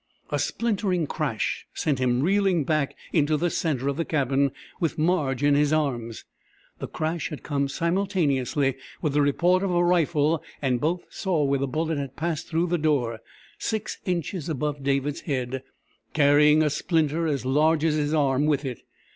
A splintering crash sent him reeling back into the centre of the cabin with Marge in his arms. The crash had come simultaneously with the report of a rifle, and both saw where the bullet had passed through the door six inches above David's head, carrying a splinter as large as his arm with it.